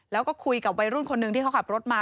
แล้วก็คุยกับวัยรุ่นคนหนึ่งที่เขาขับรถมา